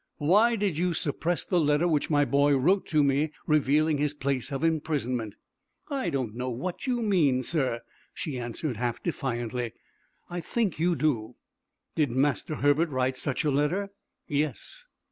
"Why did you suppress the letter which my boy wrote to me revealing his place of imprisonment?" "I don't know what you mean, sir," she answered, half defiantly. "I think you do." "Did Master Herbert write such a letter?" "Yes."